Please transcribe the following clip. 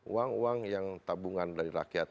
uang uang yang tabungan dari rakyat